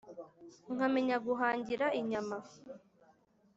Nkamenya guhangira inyama!